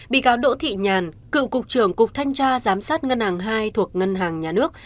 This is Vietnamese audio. bị cáo đỗ thị nhàn cựu cục trưởng cục thanh tra giám sát ngân hàng hai thuộc ngân hàng nhà nước